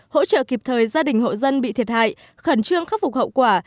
hỗ trợ kịp thời gia đình hộ dân bị thiệt hại khẩn trương khắc phục hậu quả